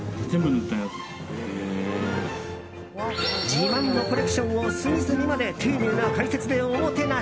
自慢のコレクションを隅々まで丁寧な解説でおもてなし。